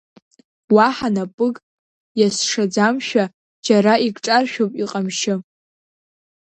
Уаҳа напык иазшаӡамшәа, џьара игҿаршәуп иҟамчы.